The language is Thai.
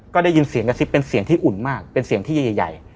ก็ได้ยินเสียงกระซิบเป็นเสียงที่อุ่นมากเป็นเสียงที่ใหญ่